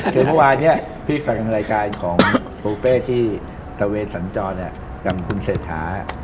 คือเมื่อวานนี้พี่ฟังรายการของโพสต์ที่ศาเวณสัญจรกำคุณเสธา